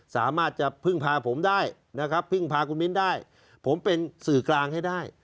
สามารถจะพึ่งพาผมได้นะครับพึ่งพาคุณมิ้นได้ผมเป็นสื่อกลางให้ได้